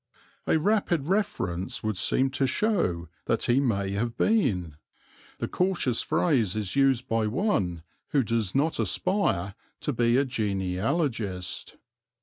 A rapid reference would seem to show that he may have been the cautious phrase is used by one who does not aspire to be a genealogist.